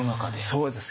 そうです。